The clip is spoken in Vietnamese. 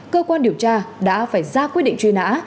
cơ quan điều tra đã phải ra quyết định truy nã